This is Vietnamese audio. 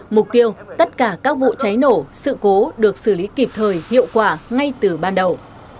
mục tiêu tất cả các vụ cháy nổ sự cố được xử lý kịp thời hiệu quả ngay từ ban đầu